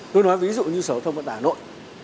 tôi nói ví dụ như sở thông vận tải hà nội